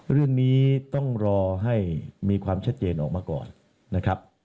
เรื่องนี้ต้องรอให้มีความชัดเจนออกมาก่อนนะครับ